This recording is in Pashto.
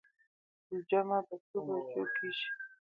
جمعه په څو بجو کېږي.